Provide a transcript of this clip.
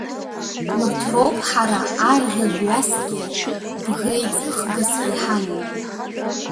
Урҭ роуп ҳара арӷьажәҩасгьы, бӷеиҵыхгасгьы иҳамоу.